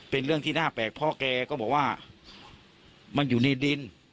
เป็นเรื่องที่น่าแปลกพ่อแกก็บอกว่ามันอยู่ในดิน